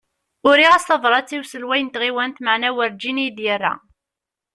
Uriɣ-as tabrat i uselway n tɣiwant maɛna warǧin iyi-d-yerra.